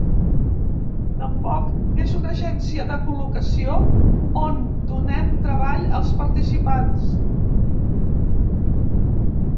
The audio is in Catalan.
Tampoc és una agència de col·locació on donem treball als participants.